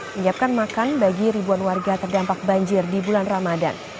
menyiapkan makan bagi ribuan warga terdampak banjir di bulan ramadan